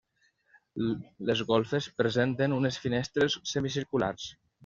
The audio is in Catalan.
Les golfes presenten unes finestres semicirculars.